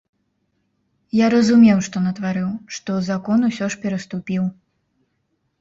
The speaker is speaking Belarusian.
Я разумеў, што натварыў, што закон усё ж пераступіў.